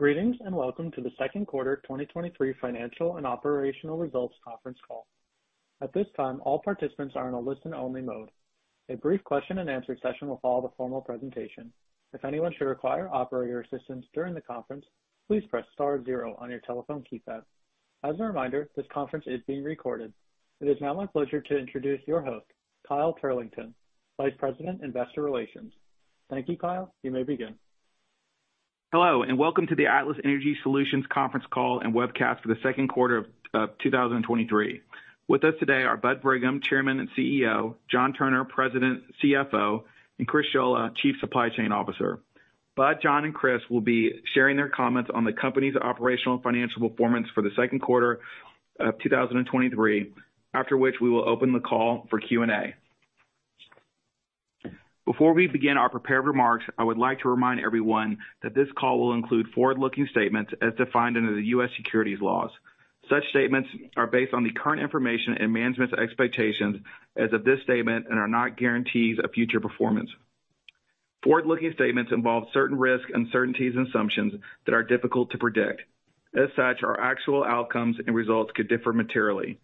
Greetings, welcome to the Second Quarter 2023 Financial and Operational Results Conference Call. At this time, all participants are in a listen-only mode. A brief question and answer session will follow the formal presentation. If anyone should require operator assistance during the conference, please press star zero on your telephone keypad. As a reminder, this conference is being recorded. It is now my pleasure to introduce your host, Kyle Turlington, Vice President, Investor Relations. Thank you, Kyle. You may begin. Hello. Welcome to the Atlas Energy Solutions Conference Call and Webcast for the Second Quarter of 2023. With us today are Bud Brigham, Chairman and CEO, John Turner, President, CFO, and Chris Scholla, Chief Supply Chain Officer. Bud, John, and Chris will be sharing their comments on the company's operational and financial performance for the second quarter of 2023, after which we will open the call for Q&A. Before we begin our prepared remarks, I would like to remind everyone that this call will include forward-looking statements as defined under the U.S. securities laws. Such statements are based on the current information and management's expectations as of this statement and are not guarantees of future performance. Forward-looking statements involve certain risks, uncertainties, and assumptions that are difficult to predict. As such, our actual outcomes and results could differ materially.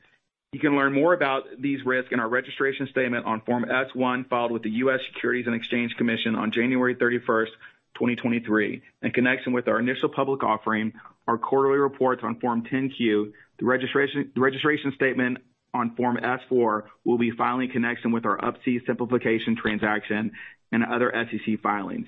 You can learn more about these risks in our registration statement on Form S-1, filed with the U.S. Securities and Exchange Commission on January 31st, 2023, in connection with our initial public offering, our quarterly reports on Form 10-Q, the registration statement on Form S-4 will be filing in connection with our Up-C simplification transaction and other SEC filings.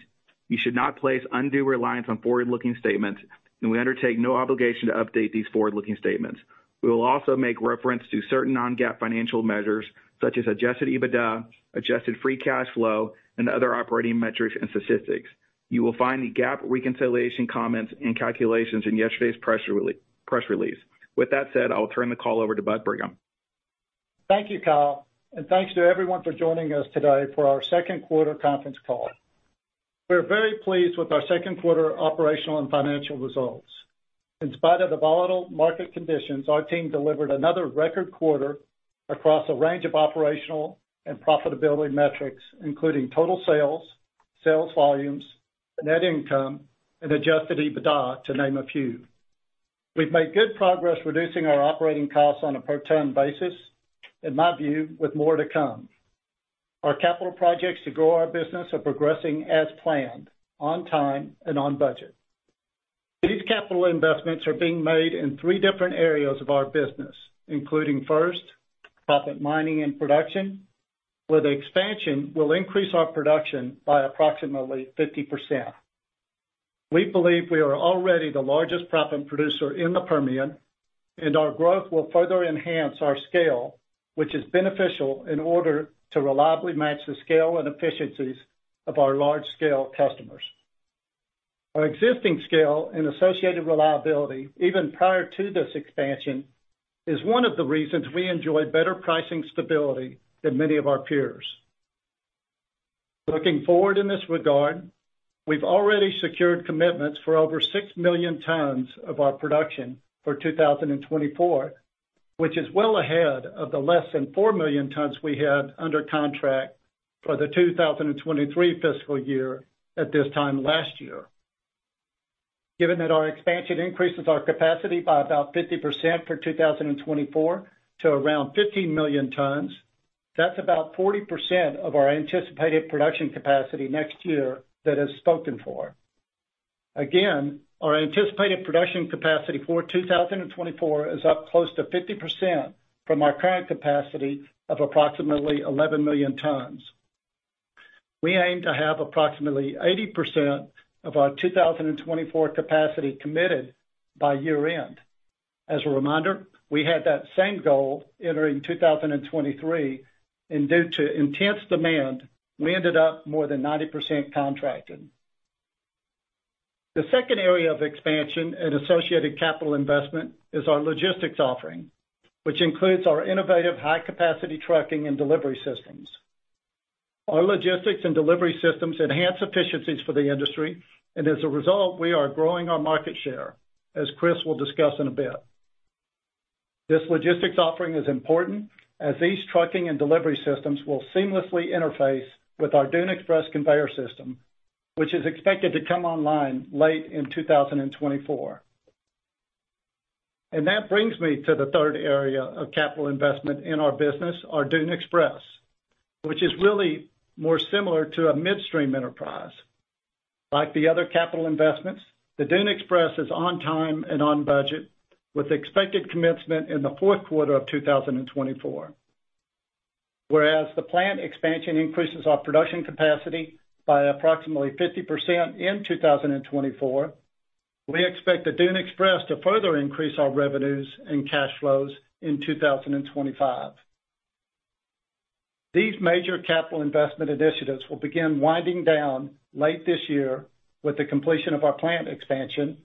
You should not place undue reliance on forward-looking statements, and we undertake no obligation to update these forward-looking statements. We will also make reference to certain non-GAAP financial measures such as adjusted EBITDA, adjusted free cash flow, and other operating metrics and statistics. You will find the GAAP reconciliation comments and calculations in yesterday's press release. With that said, I'll turn the call over to Bud Brigham. Thank you, Kyle. Thanks to everyone for joining us today for our second quarter conference call. We're very pleased with our second quarter operational and financial results. In spite of the volatile market conditions, our team delivered another record quarter across a range of operational and profitability metrics, including total sales, sales volumes, net income, and adjusted EBITDA, to name a few. We've made good progress reducing our operating costs on a per-ton basis, in my view, with more to come. Our capital projects to grow our business are progressing as planned, on time and on budget. These capital investments are being made in three different areas of our business, including first, proppant mining and production, where the expansion will increase our production by approximately 50%. We believe we are already the largest proppant producer in the Permian. Our growth will further enhance our scale, which is beneficial in order to reliably match the scale and efficiencies of our large-scale customers. Our existing scale and associated reliability, even prior to this expansion, is one of the reasons we enjoy better pricing stability than many of our peers. Looking forward in this regard, we've already secured commitments for over 6 million tons of our production for 2024, which is well ahead of the less than 4 million tons we had under contract for the 2023 fiscal year at this time last year. Given that our expansion increases our capacity by about 50% for 2024 to around 15 million tons, that's about 40% of our anticipated production capacity next year that is spoken for. Again, our anticipated production capacity for 2024 is up close to 50% from our current capacity of approximately 11 million tons. We aim to have approximately 80% of our 2024 capacity committed by year-end. As a reminder, we had that same goal entering 2023, and due to intense demand, we ended up more than 90% contracted. The second area of expansion and associated capital investment is our logistics offering, which includes our innovative high-capacity trucking and delivery systems. Our logistics and delivery systems enhance efficiencies for the industry, and as a result, we are growing our market share, as Chris will discuss in a bit. This logistics offering is important, as these trucking and delivery systems will seamlessly interface with our Dune Express conveyor system, which is expected to come online late in 2024. That brings me to the third area of capital investment in our business, our Dune Express, which is really more similar to a midstream enterprise. Like the other capital investments, the Dune Express is on time and on budget, with expected commencement in the fourth quarter of 2024. Whereas the plant expansion increases our production capacity by approximately 50% in 2024, we expect the Dune Express to further increase our revenues and cash flows in 2025. These major capital investment initiatives will begin winding down late this year with the completion of our plant expansion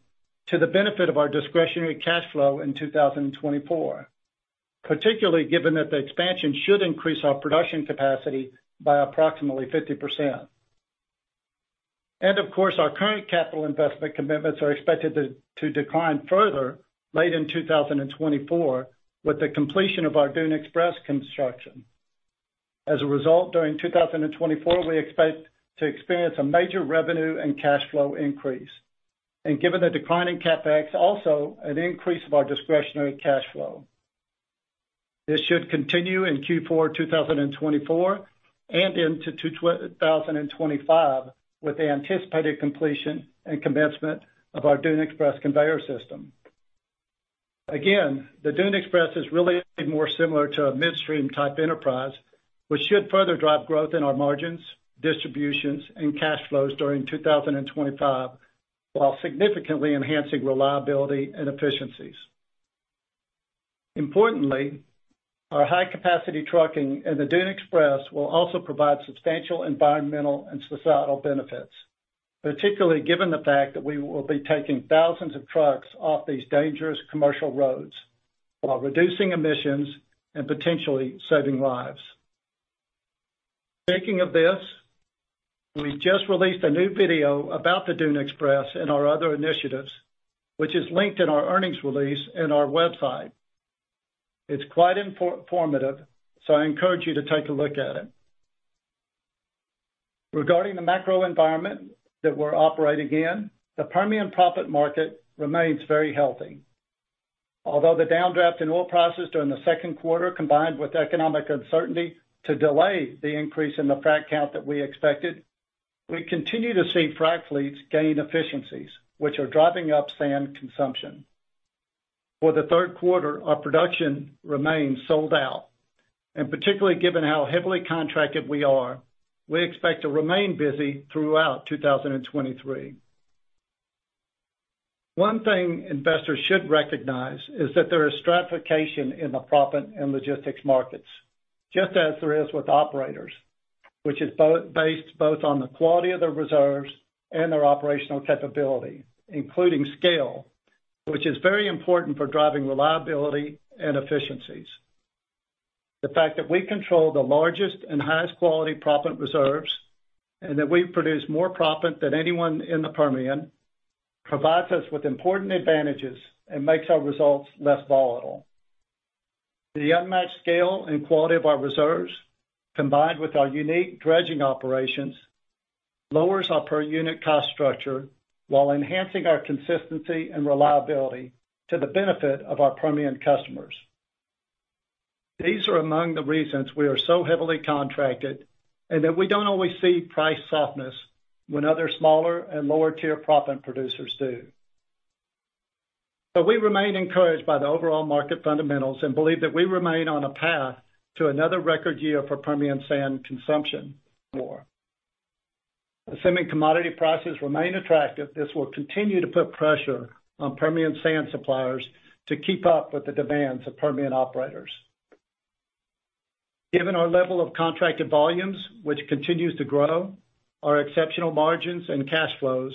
to the benefit of our discretionary cash flow in 2024, particularly given that the expansion should increase our production capacity by approximately 50%. Of course, our current capital investment commitments are expected to decline further late in 2024, with the completion of our Dune Express construction. As a result, during 2024, we expect to experience a major revenue and cash flow increase. Given the decline in CapEx, also an increase of our discretionary cash flow. This should continue in Q4 2024, and into 2025, with the anticipated completion and commencement of our Dune Express conveyor system. The Dune Express is really more similar to a midstream-type enterprise, which should further drive growth in our margins, distributions, and cash flows during 2025, while significantly enhancing reliability and efficiencies. Importantly, our high-capacity trucking and the Dune Express will also provide substantial environmental and societal benefits, particularly given the fact that we will be taking thousands of trucks off these dangerous commercial roads while reducing emissions and potentially saving lives. Speaking of this, we just released a new video about the Dune Express and our other initiatives, which is linked in our earnings release in our website. It's quite informative. I encourage you to take a look at it. Regarding the macro environment that we're operating in, the Permian proppant market remains very healthy. Although the downdraft in oil prices during the second quarter, combined with economic uncertainty to delay the increase in the frac count that we expected, we continue to see frac fleets gain efficiencies, which are driving up sand consumption. For the third quarter, our production remains sold out, and particularly given how heavily contracted we are, we expect to remain busy throughout 2023. One thing investors should recognize is that there is stratification in the proppant and logistics markets, just as there is with operators, which is based both on the quality of their reserves and their operational capability, including scale, which is very important for driving reliability and efficiencies. The fact that we control the largest and highest quality proppant reserves, and that we produce more proppant than anyone in the Permian, provides us with important advantages and makes our results less volatile. The unmatched scale and quality of our reserves, combined with our unique dredging operations, lowers our per-unit cost structure while enhancing our consistency and reliability to the benefit of our Permian customers. These are among the reasons we are so heavily contracted, and that we don't always see price softness when other smaller and lower-tier proppant producers do. We remain encouraged by the overall market fundamentals and believe that we remain on a path to another record year for Permian sand consumption more. Assuming commodity prices remain attractive, this will continue to put pressure on Permian sand suppliers to keep up with the demands of Permian operators. Given our level of contracted volumes, which continues to grow, our exceptional margins and cash flows,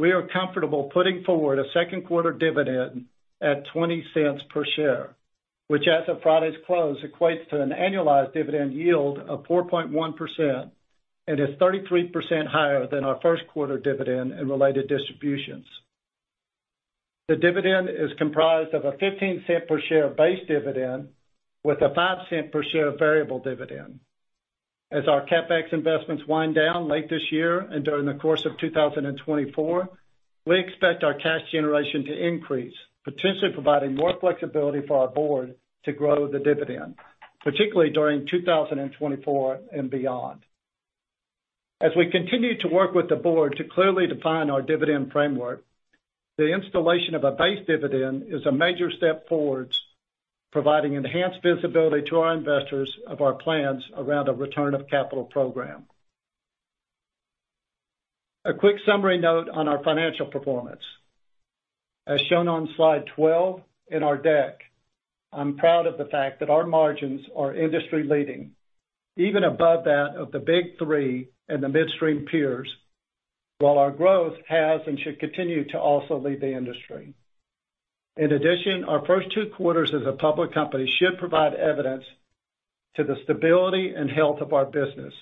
we are comfortable putting forward a second quarter dividend at $0.20 per share, which, as of Friday's close, equates to an annualized dividend yield of 4.1% and is 33% higher than our first quarter dividend and related distributions. The dividend is comprised of a $0.15 per share base dividend with a $0.05 per share variable dividend. As our CapEx investments wind down late this year and during the course of 2024, we expect our cash generation to increase, potentially providing more flexibility for our board to grow the dividend, particularly during 2024 and beyond. As we continue to work with the board to clearly define our dividend framework, the installation of a base dividend is a major step towards providing enhanced visibility to our investors of our plans around a return of capital program. A quick summary note on our financial performance. As shown on slide 12 in our deck, I'm proud of the fact that our margins are industry-leading, even above that of the Big Three and the midstream peers, while our growth has and should continue to also lead the industry. In addition, our first 2 quarters as a public company should provide evidence to the stability and health of our business,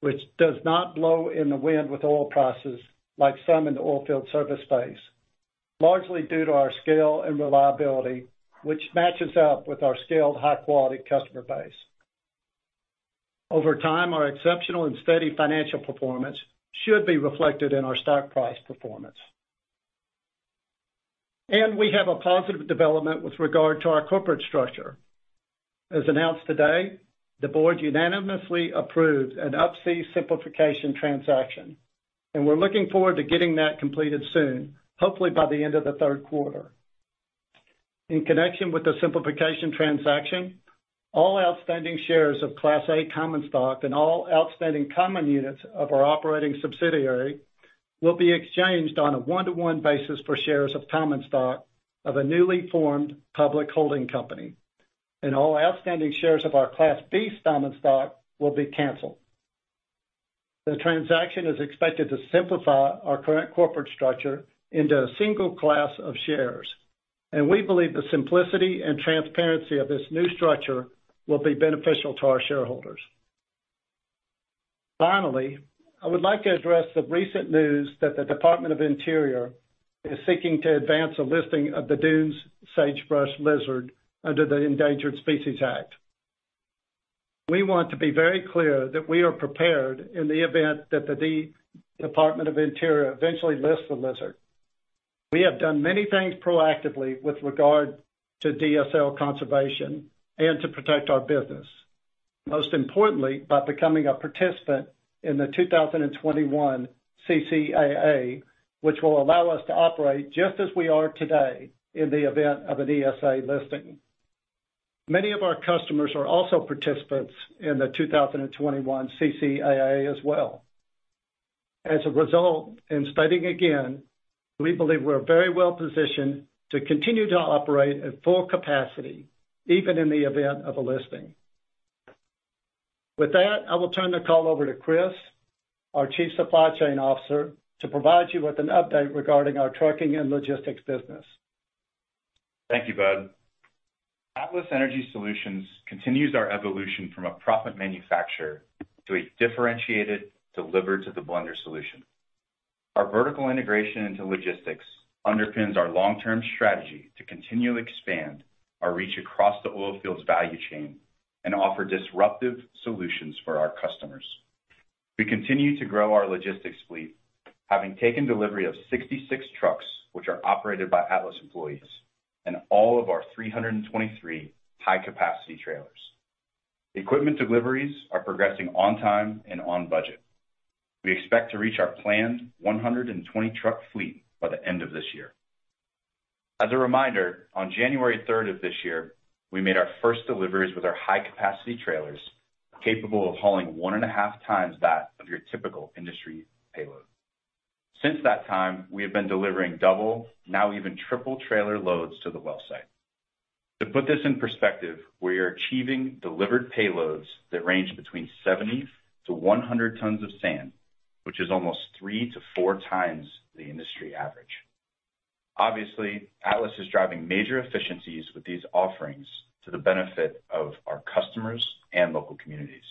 which does not blow in the wind with oil prices like some in the oilfield service space, largely due to our scale and reliability, which matches up with our scaled, high-quality customer base. Over time, our exceptional and steady financial performance should be reflected in our stock price performance. We have a positive development with regard to our corporate structure. As announced today, the board unanimously approved an Up-C simplification transaction, and we're looking forward to getting that completed soon, hopefully by the end of the third quarter. In connection with the simplification transaction, all outstanding shares of Class A common stock and all outstanding common units of our operating subsidiary will be exchanged on a 1-to-1 basis for shares of common stock of a newly formed public holding company, and all outstanding shares of our Class B common stock will be canceled. The transaction is expected to simplify our current corporate structure into a single class of shares, and we believe the simplicity and transparency of this new structure will be beneficial to our shareholders. Finally, I would like to address the recent news that the Department of the Interior is seeking to advance a listing of the Dunes Sagebrush Lizard under the Endangered Species Act. We want to be very clear that we are prepared in the event that the Department of Interior eventually lists the lizard. We have done many things proactively with regard to DSL conservation and to protect our business, most importantly, by becoming a participant in the 2021 CCAA, which will allow us to operate just as we are today in the event of an ESA listing. Many of our customers are also participants in the 2021 CCAA as well. As a result, in studying again, we believe we're very well positioned to continue to operate at full capacity, even in the event of a listing. With that, I will turn the call over to Chris, our Chief Supply Chain Officer, to provide you with an update regarding our Trucking and Logistics business. Thank you, Bud. Atlas Energy Solutions continues our evolution from a proppant manufacturer to a differentiated delivered to the blender solution. Our vertical integration into logistics underpins our long-term strategy to continually expand our reach across the oil fields value chain and offer disruptive solutions for our customers. We continue to grow our logistics fleet, having taken delivery of 66 trucks, which are operated by Atlas employees, and all of our 323 high-capacity trailers. The equipment deliveries are progressing on time and on budget. We expect to reach our planned 120 truck fleet by the end of this year. As a reminder, on January third of this year, we made our first deliveries with our high-capacity trailers, capable of hauling 1.5x that of your typical industry payload. Since that time, we have been delivering double, now even triple trailer loads to the well site. To put this in perspective, we are achieving delivered payloads that range between 70-100 tons of sand, which is almost 3x-4x the industry average. Obviously, Atlas is driving major efficiencies with these offerings to the benefit of our customers and local communities.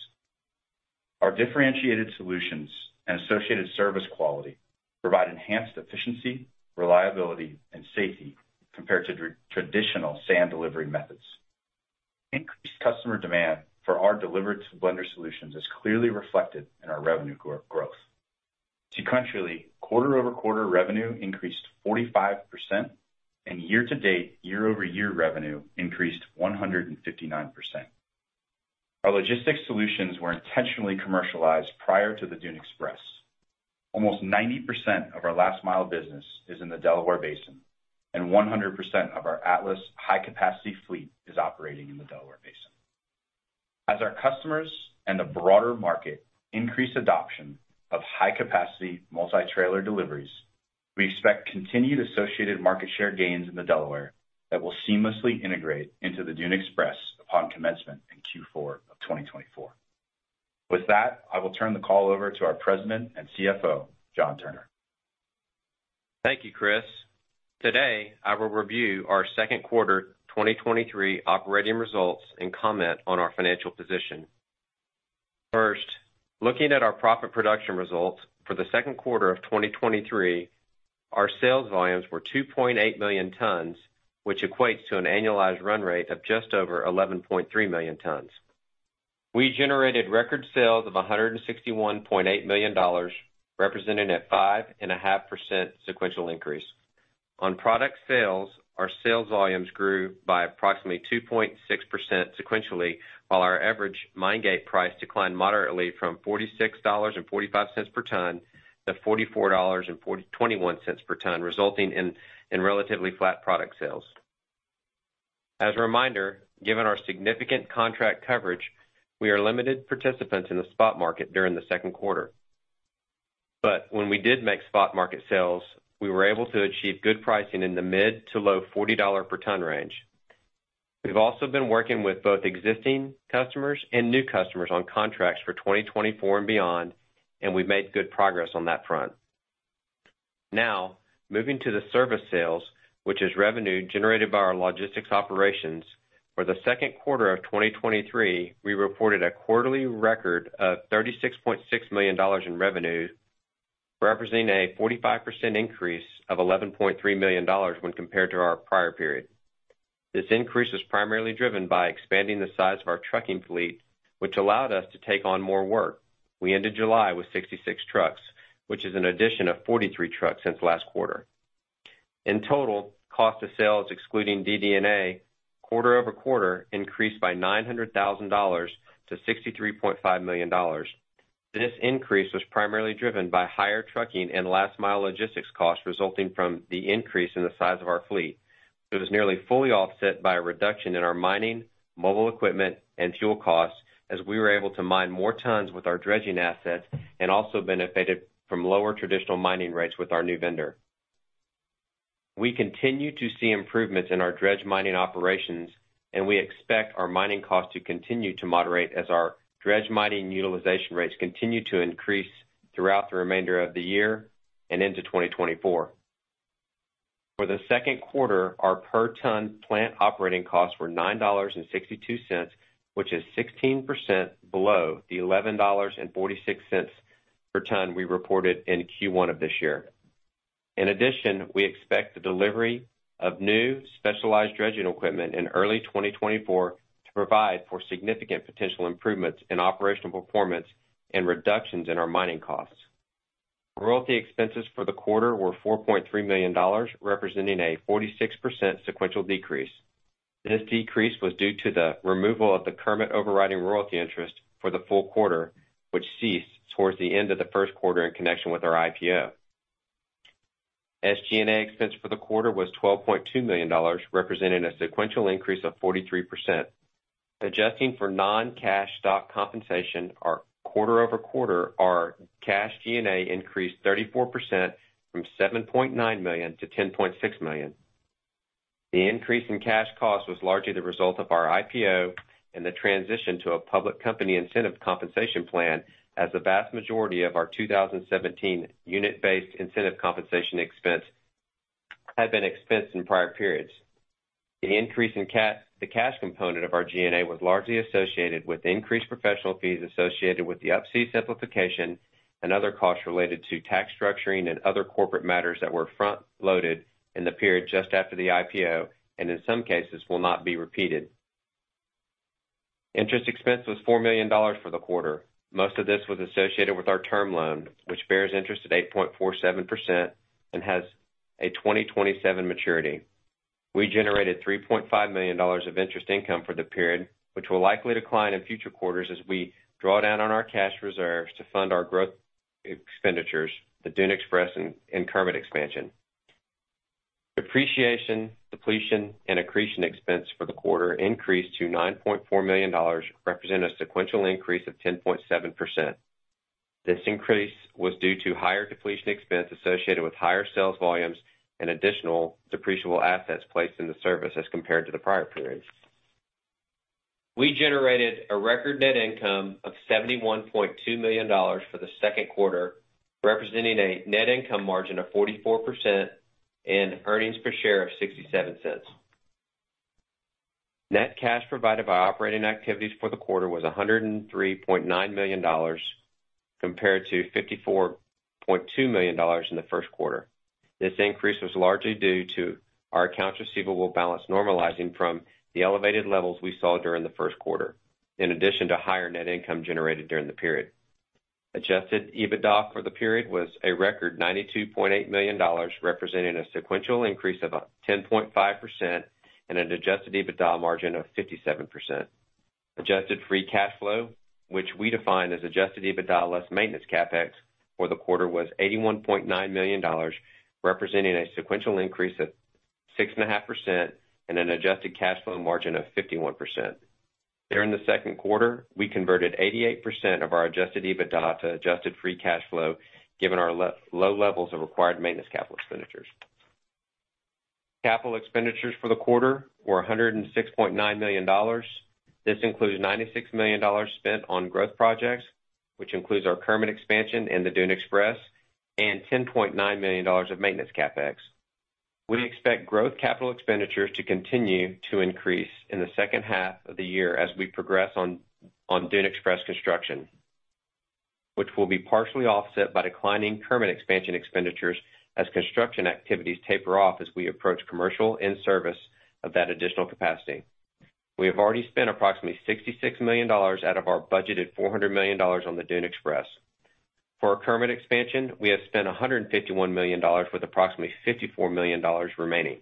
Our differentiated solutions and associated service quality provide enhanced efficiency, reliability, and safety compared to traditional sand delivery methods. Increased customer demand for our delivered to blender solutions is clearly reflected in our revenue growth. Sequentially, quarter-over-quarter revenue increased 45%, and year to date, year-over-year revenue increased 159%. Our logistics solutions were intentionally commercialized prior to the Dune Express. Almost 90% of our Last Mile business is in the Delaware Basin, and 100% of our Atlas high-capacity fleet is operating in the Delaware Basin. As our customers and the broader market increase adoption of high-capacity, multi-trailer deliveries, we expect continued associated market share gains in the Delaware that will seamlessly integrate into the Dune Express upon commencement in Q4 of 2024. With that, I will turn the call over to our President and CFO, John Turner. Thank you, Chris. Today, I will review our second quarter 2023 operating results and comment on our financial position. First, looking at our proppant production results for the second quarter of 2023, our sales volumes were 2.8 million tons, which equates to an annualized run rate of just over 11.3 million tons. We generated record sales of $161.8 million, representing a 5.5% sequential increase. On product sales, our sales volumes grew by approximately 2.6% sequentially, while our average mine gate price declined moderately from $46.45 per ton to $44.21 per ton, resulting in relatively flat product sales. As a reminder, given our significant contract coverage, we are limited participants in the spot market during the second quarter. When we did make spot market sales, we were able to achieve good pricing in the mid to low $40 per ton range. We've also been working with both existing customers and new customers on contracts for 2024 and beyond, and we've made good progress on that front. Moving to the service sales, which is revenue generated by our logistics operations. For the second quarter of 2023, we reported a quarterly record of $36.6 million in revenue, representing a 45% increase of $11.3 million when compared to our prior period. This increase was primarily driven by expanding the size of our trucking fleet, which allowed us to take on more work. We ended July with 66 trucks, which is an addition of 43 trucks since last quarter. In total, cost of sales, excluding DD&A, quarter-over-quarter, increased by $900,000 to $63.5 million. This increase was primarily driven by higher trucking and last mile logistics costs resulting from the increase in the size of our fleet. It was nearly fully offset by a reduction in our mining, mobile equipment, and fuel costs, as we were able to mine more tons with our dredging assets and also benefited from lower traditional mining rates with our new vendor. We continue to see improvements in our dredge mining operations, we expect our mining costs to continue to moderate as our dredge mining utilization rates continue to increase throughout the remainder of the year and into 2024. For the second quarter, our per ton plant operating costs were $9.62, which is 16% below the $11.46 per ton we reported in Q1 of this year. In addition, we expect the delivery of new specialized dredging equipment in early 2024 to provide for significant potential improvements in operational performance and reductions in our mining costs. Royalty expenses for the quarter were $4.3 million, representing a 46% sequential decrease. This decrease was due to the removal of the Kermit overriding royalty interest for the full quarter, which ceased towards the end of the first quarter in connection with our IPO. SG&A expense for the quarter was $12.2 million, representing a sequential increase of 43%. Adjusting for non-cash stock compensation, our quarter-over-quarter, our cash G&A increased 34% from $7.9 million to $10.6 million. The increase in cash costs was largely the result of our IPO and the transition to a public company incentive compensation plan, as the vast majority of our 2017 unit-based incentive compensation expense had been expensed in prior periods. The increase in the cash component of our G&A was largely associated with increased professional fees associated with the Up-C Simplification and other costs related to tax structuring and other corporate matters that were front-loaded in the period just after the IPO, and in some cases, will not be repeated. Interest expense was $4 million for the quarter. Most of this was associated with our term loan, which bears interest at 8.47% and has a 2027 maturity. We generated $3.5 million of interest income for the period, which will likely decline in future quarters as we draw down on our cash reserves to fund our growth expenditures, the Dune Express and Kermit expansion. Depreciation, depletion, and accretion expense for the quarter increased to $9.4 million, representing a sequential increase of 10.7%. This increase was due to higher depletion expense associated with higher sales volumes and additional depreciable assets placed in the service as compared to the prior periods. We generated a record net income of $71.2 million for the second quarter, representing a net income margin of 44% and earnings per share of $0.67. Net cash provided by operating activities for the quarter was $103.9 million, compared to $54.2 million in the first quarter. This increase was largely due to our accounts receivable balance normalizing from the elevated levels we saw during the first quarter, in addition to higher net income generated during the period. Adjusted EBITDA for the period was a record $92.8 million, representing a sequential increase of 10.5% and an adjusted EBITDA margin of 57%. Adjusted free cash flow, which we define as adjusted EBITDA less maintenance CapEx for the quarter, was $81.9 million, representing a sequential increase of 6.5% and an adjusted cash flow margin of 51%. During the second quarter, we converted 88% of our adjusted EBITDA to adjusted free cash flow, given our low levels of required maintenance capital expenditures. Capital expenditures for the quarter were $106.9 million. This includes $96 million spent on growth projects, which includes our current expansion and the Dune Express, and $10.9 million of maintenance CapEx. We expect growth capital expenditures to continue to increase in the second half of the year as we progress on, on Dune Express construction, which will be partially offset by declining Kermit expansion expenditures as construction activities taper off as we approach commercial in-service of that additional capacity. We have already spent approximately $66 million out of our budgeted $400 million on the Dune Express. For our Kermit expansion, we have spent $151 million, with approximately $54 million remaining.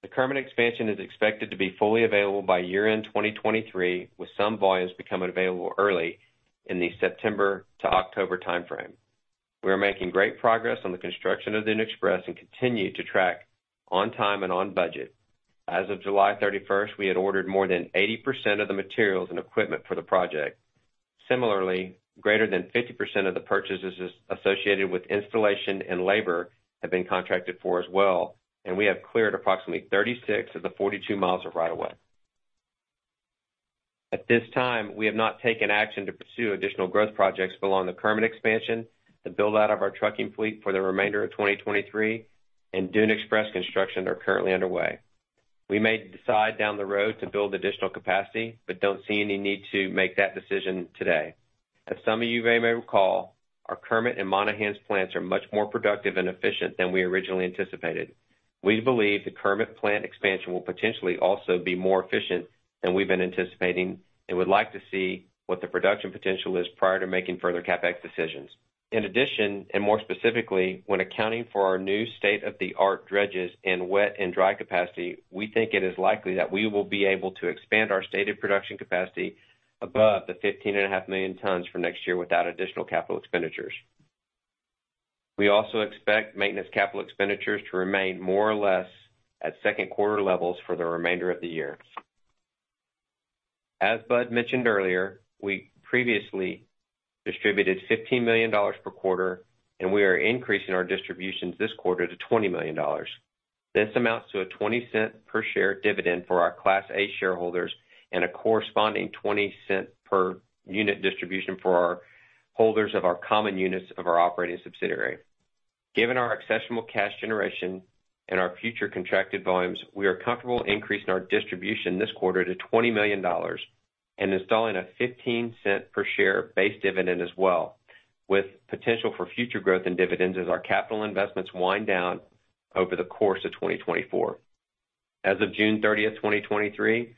The Kermit expansion is expected to be fully available by year-end 2023, with some volumes becoming available early in the September to October timeframe. We are making great progress on the construction of Dune Express and continue to track on time and on budget. As of July 31st, we had ordered more than 80% of the materials and equipment for the project. Similarly, greater than 50% of the purchases associated with installation and labor have been contracted for as well. We have cleared approximately 36 of the 42 miles of right of way. At this time, we have not taken action to pursue additional growth projects beyond the current expansion, the build-out of our trucking fleet for the remainder of 2023, and Dune Express construction are currently underway. We may decide down the road to build additional capacity, but don't see any need to make that decision today. As some of you may recall, our Kermit and Monahans plants are much more productive and efficient than we originally anticipated. We believe the Kermit plant expansion will potentially also be more efficient than we've been anticipating, would like to see what the production potential is prior to making further CapEx decisions. In addition, more specifically, when accounting for our new state-of-the-art dredges in wet and dry capacity, we think it is likely that we will be able to expand our stated production capacity above the 15.5 million tons for next year without additional capital expenditures. We also expect maintenance capital expenditures to remain more or less at second quarter levels for the remainder of the year. As Bud mentioned earlier, we previously distributed $15 million per quarter, we are increasing our distributions this quarter to $20 million. This amounts to a $0.20 per share dividend for our Class A shareholders and a corresponding $0.20 per unit distribution for our holders of our common units of our operating subsidiary. Given our exceptional cash generation and our future contracted volumes, we are comfortable increasing our distribution this quarter to $20 million and installing a $0.15 per share base dividend as well, with potential for future growth in dividends as our capital investments wind down over the course of 2024. As of June 30th, 2023,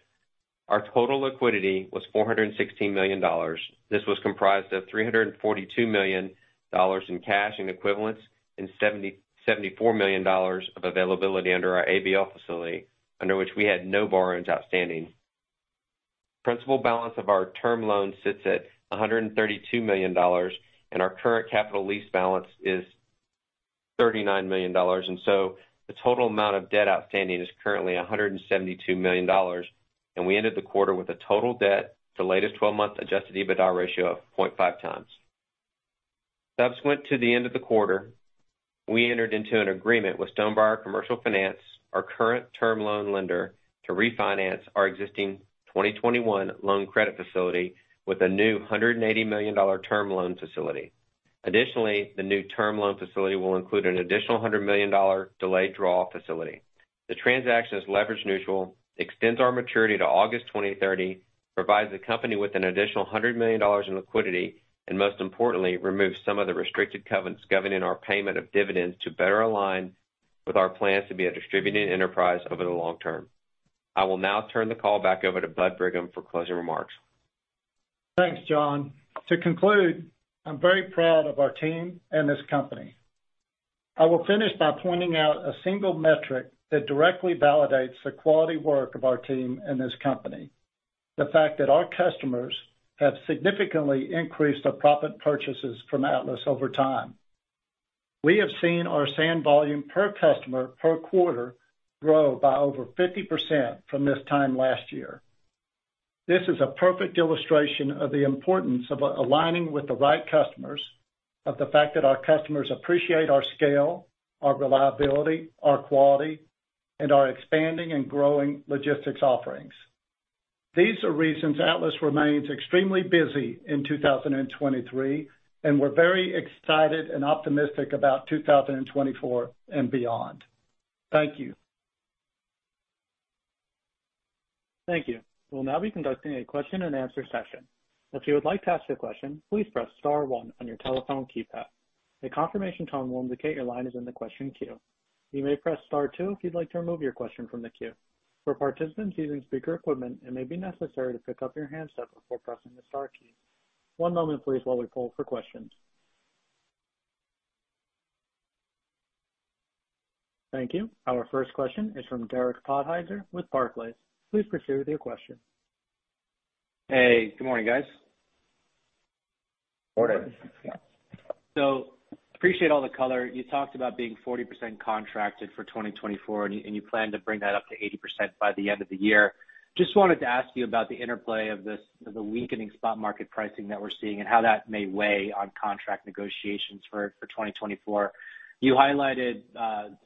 our total liquidity was $416 million. This was comprised of $342 million in cash and equivalents, and $74 million of availability under our ABL facility, under which we had no borrowings outstanding. Principal balance of our term loan sits at $132 million, and our current capital lease balance is $39 million. The total amount of debt outstanding is currently $172 million, and we ended the quarter with a total debt to latest twelve-month adjusted EBITDA ratio of 0.5x. Subsequent to the end of the quarter, we entered into an agreement with Stonebriar Commercial Finance, our current term loan lender, to refinance our existing 2021 loan credit facility with a new $180 million term loan facility. Additionally, the new term loan facility will include an additional $100 million delayed draw facility. The transaction is leverage neutral, extends our maturity to August 2030, provides the company with an additional $100 million in liquidity, and most importantly, removes some of the restricted covenants governing our payment of dividends to better align with our plans to be a distributed enterprise over the long term. I will now turn the call back over to Bud Brigham for closing remarks. Thanks, John. To conclude, I'm very proud of our team and this company. I will finish by pointing out a single metric that directly validates the quality work of our team and this company. The fact that our customers have significantly increased their proppant purchases from Atlas over time. We have seen our sand volume per customer per quarter grow by over 50% from this time last year. This is a perfect illustration of the importance of aligning with the right customers, of the fact that our customers appreciate our scale, our reliability, our quality, and our expanding and growing logistics offerings. These are reasons Atlas remains extremely busy in 2023, and we're very excited and optimistic about 2024 and beyond. Thank you. Thank you. We'll now be conducting a question and answer session. If you would like to ask a question, please press star one on your telephone keypad. A confirmation tone will indicate your line is in the question queue. You may press Star two if you'd like to remove your question from the queue. For participants using speaker equipment, it may be necessary to pick up your handset before pressing the star key. One moment, please, while we poll for questions. Thank you. Our first question is from Derek Podhaizer with Barclays. Please proceed with your question. Hey, good morning, guys. Morning. Appreciate all the color. You talked about being 40% contracted for 2024, and you, and you plan to bring that up to 80% by the end of the year. Just wanted to ask you about the interplay of this, the weakening spot market pricing that we're seeing, and how that may weigh on contract negotiations for, for 2024. You highlighted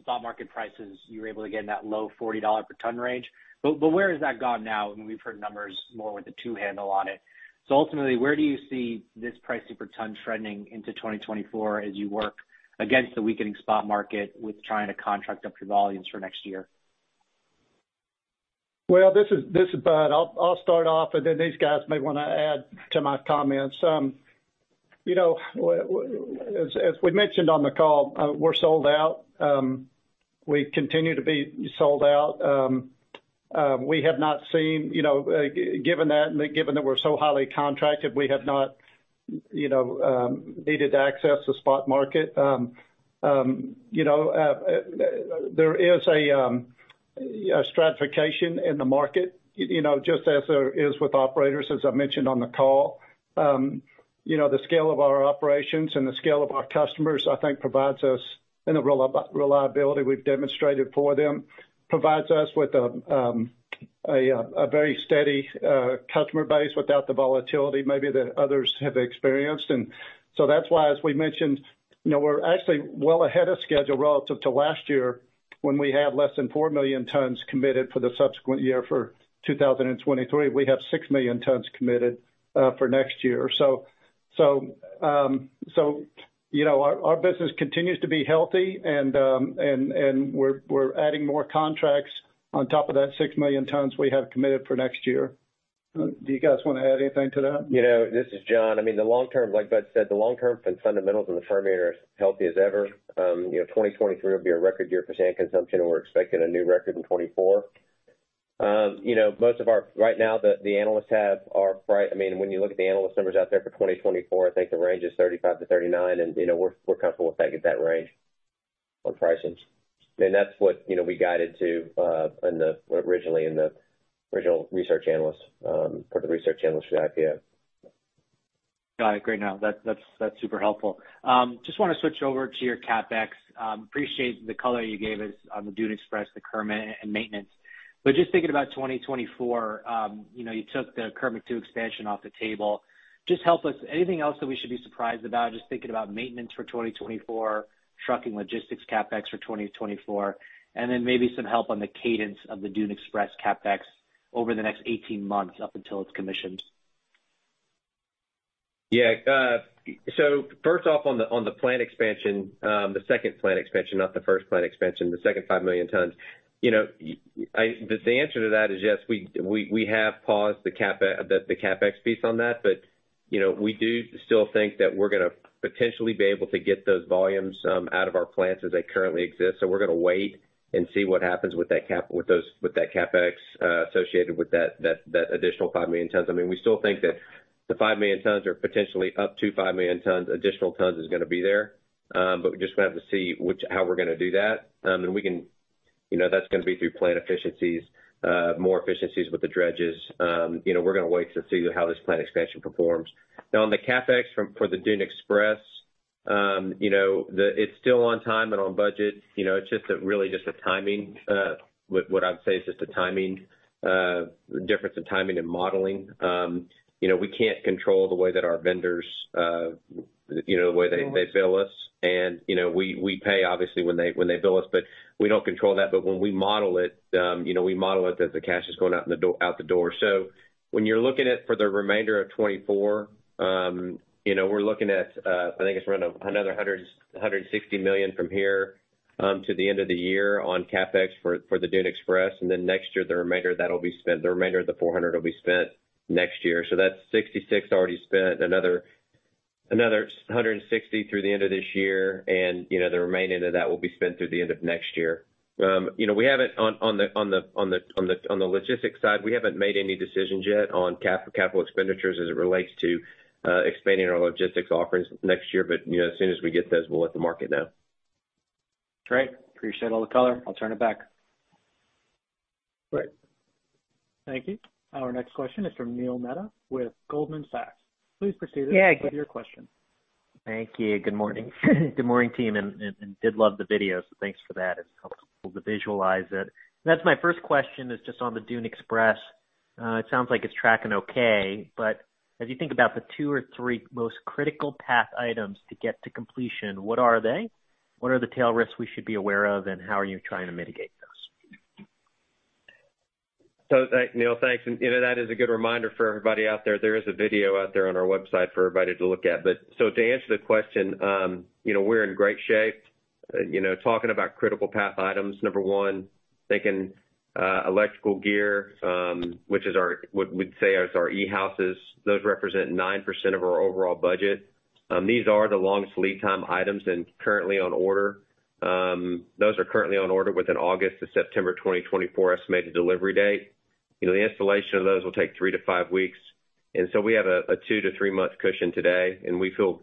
spot market prices. You were able to get in that low $40 per ton range, but, but where has that gone now? I mean, we've heard numbers more with the 2 handle on it. Ultimately, where do you see this pricing per ton trending into 2024 as you work against the weakening spot market with trying to contract up your volumes for next year? Well, this is Bud. I'll start off, and then these guys may want to add to my comments. You know, as we mentioned on the call, we're sold out. We continue to be sold out. We have not seen, you know, given that, given that we're so highly contracted, we have not, you know, needed to access the spot market. You know, there is a stratification in the market, you know, just as there is with operators, as I mentioned on the call. You know, the scale of our operations and the scale of our customers, I think, provides us, and the reliability we've demonstrated for them, provides us with a very steady customer base without the volatility maybe that others have experienced. So that's why, as we mentioned, you know, we're actually well ahead of schedule relative to last year, when we had less than 4 million tons committed for the subsequent year. For 2023, we have 6 million tons committed for next year. You know our business continues to be healthy, and, and we're, we're adding more contracts on top of that 6 million tons we have committed for next year. Do you guys want to add anything to that? You know, this is John. I mean, the long-term, like Bud said, the long-term fundamentals in the firm are healthy as ever. You know, 2023 will be a record year for sand consumption, and we're expecting a new record in 2024. You know, I mean, when you look at the analyst numbers out there for 2024, I think the range is $35-$39, and, you know, we're, we're comfortable with that, at that range on pricing. I mean, that's what, you know, we guided to, originally in the original research analyst, for the research analyst at IPO. Got it. Great. Now, that's, that's, that's super helpful. Just want to switch over to your CapEx. Appreciate the color you gave us on the Dune Express, the Kermit, and maintenance. Just thinking about 2024, you know, you took the Kermit facility expansion off the table. Just help us, anything else that we should be surprised about? Just thinking about maintenance for 2024, trucking, logistics, CapEx for 2024, and then maybe some help on the cadence of the Dune Express CapEx over the next 18 months, up until it's commissioned? First off, on the plant expansion, the second plant expansion, not the first plant expansion, the second 5 million tons. You know, the answer to that is yes, we, we, we have paused the CapEx piece on that. You know, we do still think that we're gonna potentially be able to get those volumes out of our plants as they currently exist. We're gonna wait and see what happens with that, with those, with that CapEx associated with that, that, that additional 5 million tons. I mean, we still think that the 5 million tons are potentially up to 5 million tons. Additional tons is gonna be there. We're just gonna have to see how we're gonna do that. We can... You know, that's gonna be through plant efficiencies, more efficiencies with the dredges. You know, we're gonna wait to see how this plant expansion performs. Now, on the CapEx from, for the Dune Express, you know, it's still on time and on budget. You know, it's just a really, just a timing difference in timing and modeling. You know, we can't control the way that our vendors, you know, the way they, they bill us. We, you know, we pay, obviously, when they, when they bill us, but we don't control that. When we model it, you know, we model it as the cash is going out in the door- out the door. When you're looking at for the remainder of 2024, you know, we're looking at, I think it's around another $160 million from here, to the end of the year on CapEx for, for the Dune Express. Then next year, the remainder that will be spent, the remainder of the $400 million will be spent next year. That's $66 million already spent, another, another $160 million through the end of this year. You know, the remaining of that will be spent through the end of next year. You know, we haven't on the logistics side, we haven't made any decisions yet on capital expenditures as it relates to expanding our logistics offerings next year. But, you know, as soon as we get those, we'll let the market know. Great. Appreciate all the color. I'll turn it back. Great. Thank you. Our next question is from Neil Mehta with Goldman Sachs. Please proceed with your question. Thank you. Good morning. Good morning, team, and, and, and did love the video, so thanks for that. It's helpful to visualize it. That's my first question, is just on the Dune Express. It sounds like it's tracking okay, but as you think about the two or three most critical path items to get to completion, what are they? What are the tail risks we should be aware of, and how are you trying to mitigate those? Neil, thanks. You know, that is a good reminder for everybody out there. There is a video out there on our website for everybody to look at. To answer the question, you know, we're in great shape. You know, talking about critical path items, number one, thinking electrical gear, which we'd say is our e-houses. Those represent 9% of our overall budget. These are the longest lead time items and currently on order. Those are currently on order with an August to September 2024 estimated delivery date. You know, the installation of those will take 3-5 weeks, and so we have a 2-3 month cushion today, and we feel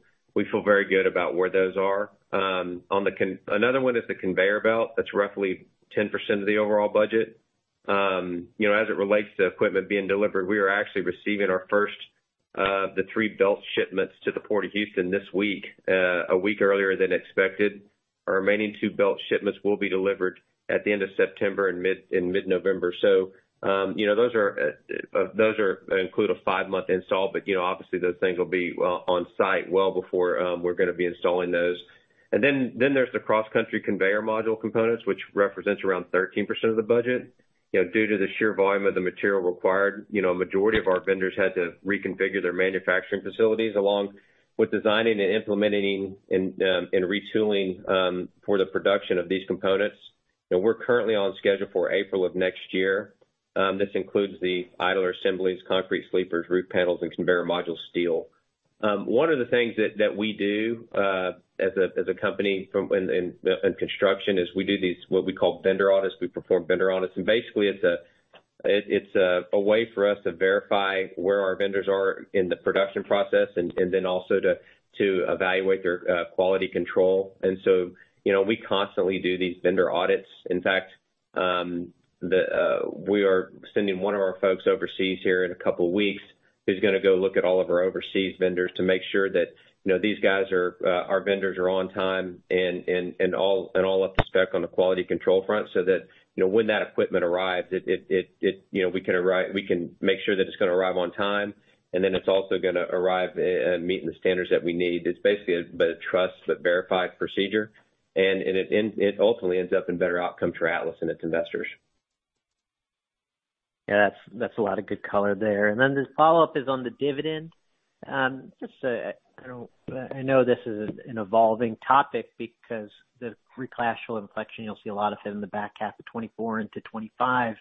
very good about where those are. Another one is the conveyor belt. That's roughly 10% of the overall budget. You know, as it relates to equipment being delivered, we are actually receiving our first, the 3 belt shipments to the Port of Houston this week, a week earlier than expected. Our remaining 2 belt shipments will be delivered at the end of September and mid-November. You know, those are, those are include a 5-month install, but, you know, obviously those things will be on site well before, we're gonna be installing those. There's the cross-country conveyor module components, which represents around 13% of the budget. You know, due to the sheer volume of the material required, you know, a majority of our vendors had to reconfigure their manufacturing facilities along with designing and implementing and retooling for the production of these components. We're currently on schedule for April of next year. This includes the idler assemblies, concrete sleepers, roof panels, and conveyor module steel. One of the things that we do, as a, as a company from... in construction, is we do these, what we call vendor audits. We perform vendor audits. Basically it's a, it's a way for us to verify where our vendors are in the production process, and then also to evaluate their quality control. You know, we constantly do these vendor audits. In fact, the... we are sending one of our folks overseas here in a couple of weeks, who's gonna go look at all of our overseas vendors to make sure that, you know, these guys are, our vendors, are on time and, and, and all, and all up to spec on the quality control front, so that, you know, when that equipment arrives, it, it, it, you know, we can make sure that it's gonna arrive on time, and then it's also gonna arrive, and meeting the standards that we need. It's basically a trust, but verified procedure, and, and it, and it ultimately ends up in better outcomes for Atlas and its investors. Yeah, that's, that's a lot of good color there. This follow-up is on the dividend. just I know this is an evolving topic, because the re-class inflection, you'll see a lot of it in the back half of 2024 into 2025.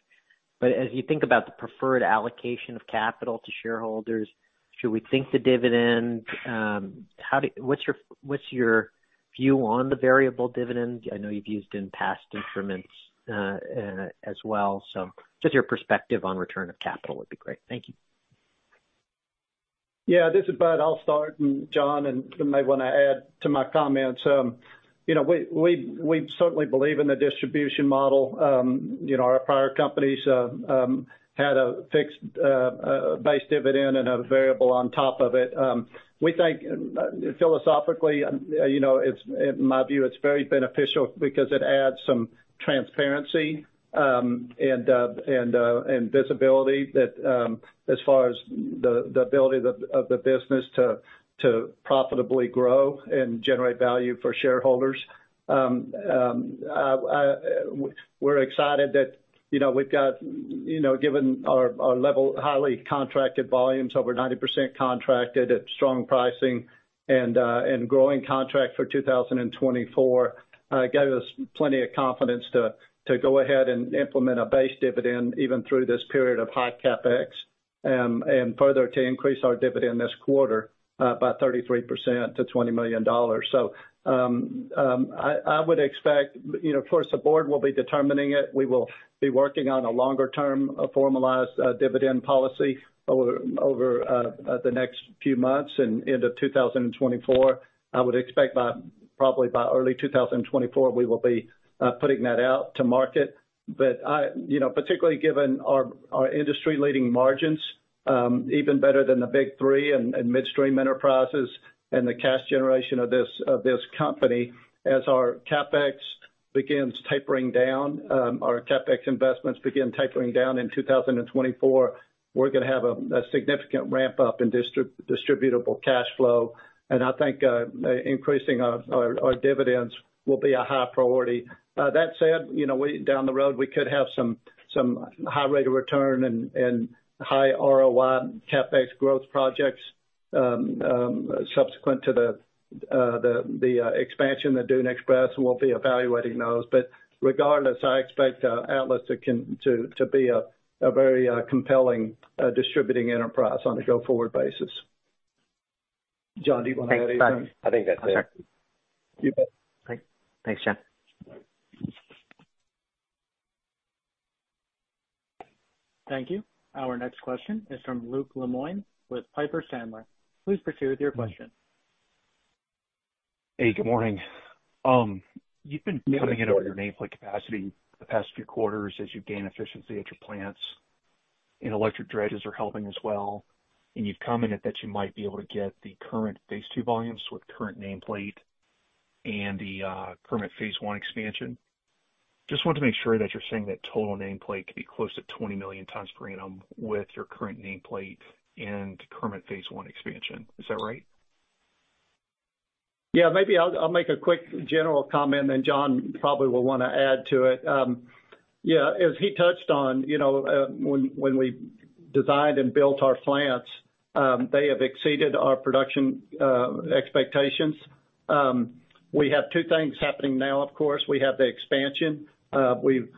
As you think about the preferred allocation of capital to shareholders, should we think the dividend? what's your, what's your view on the variable dividend? I know you've used in past increments as well. Just your perspective on return of capital would be great. Thank you. Yeah, this is Bud. I'll start, and John may want to add to my comments. You know, we, we, we certainly believe in the distribution model. You know, our prior companies had a fixed base dividend and a variable on top of it. We think philosophically, you know, it's, in my view, it's very beneficial because it adds some transparency and visibility that as far as the ability of the business to profitably grow and generate value for shareholders. We're excited that, you know, we've got, you know, given our level, highly contracted volumes, over 90% contracted at strong pricing and growing contract for 2024 gave us plenty of confidence to go ahead and implement a base dividend even through this period of high CapEx, and further to increase our dividend this quarter by 33% to $20 million. I would expect, you know, of course, the board will be determining it. We will be working on a longer-term, formalized dividend policy over the next few months and into 2024. I would expect by, probably by early 2024, we will be putting that out to market. I, you know, particularly given our, our industry-leading margins, even better than the Big Three and midstream enterprises and the cash generation of this, of this company, as our CapEx begins tapering down, our CapEx investments begin tapering down in 2024, we're gonna have a significant ramp up in distributable cash flow, and I think, increasing our, our, our dividends will be a high priority. That said, you know, we down the road, we could have some, some high rate of return and high ROI CapEx growth projects, subsequent to the expansion, the Dune Express, and we'll be evaluating those. Regardless, I expect Atlas to be a very compelling, distributing enterprise on a go-forward basis. John, do you want to add anything? I think that's it. You bet. Thanks. Thanks, John. Thank you. Our next question is from Luke Lemoine with Piper Sandler. Please proceed with your question. Hey, good morning. You've been coming in over your nameplate capacity the past few quarters as you've gained efficiency at your plants, and electric dredges are helping as well, and you've commented that you might be able to get the current phase two volumes with current nameplate and the current phase one expansion. Just wanted to make sure that you're saying that total nameplate could be close to 20 million tons per annum with your current nameplate and current phase one expansion. Is that right? Yeah, maybe I'll, I'll make a quick general comment, then John probably will wanna add to it. Yeah, as he touched on, you know, when, when we designed and built our plants, they have exceeded our production expectations. We have two things happening now, of course, we have the expansion. We've,